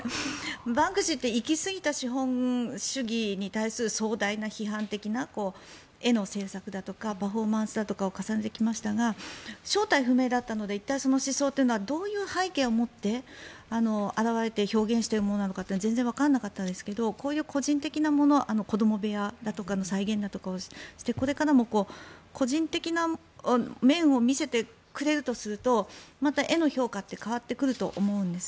バンクシーって行き過ぎた資本主義に対する壮大な批判的な絵の制作だとかパフォーマンスだとかを重ねてきましたが正体不明だったので一体、その思想というのはどういう背景を持って表れて表現しているものなのかって全然わからなかったんですけどこういう個人的なもの子ども部屋だとかの再現だとかをしてこれからも個人的な面を見せてくれるとするとまた絵の評価って変わってくると思うんです。